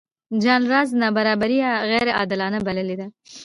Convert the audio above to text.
جان رالز نابرابري غیرعادلانه بللې ده.